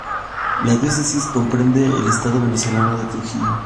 La diócesis comprende el estado venezolano de Trujillo.